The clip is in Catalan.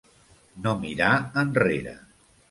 No mirar enrere.